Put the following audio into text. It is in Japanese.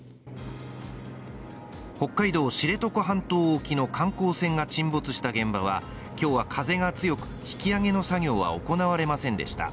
北海道・知床半島沖の観光船が沈没した現場は、今日は風が強く、引き揚げの作業は行われませんでした。